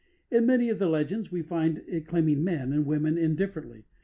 In many of the legends, we find it claiming men and women indifferently.